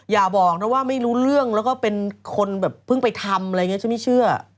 อย่าบอกนะว่าไม่รู้เรื่องแล้วก็เป็นคนแบบเพิ่งไปทำอะไรอย่างนี้ฉันไม่เชื่อ